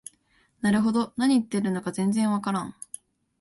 なるほど、何言ってるのか全然わからん